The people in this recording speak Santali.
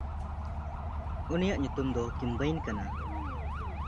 ᱩᱱᱤᱭᱟᱜ ᱧᱩᱛᱩᱢ ᱫᱚ ᱠᱤᱢᱵᱞᱟᱹᱭᱤᱱ ᱠᱟᱱᱟ᱾